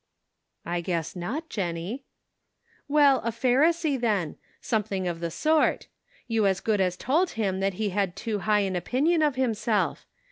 " I guess not, Jennie." "Well, a Pharisee, then — something of the sort. You as good as told him that he had too high an opinion of himself.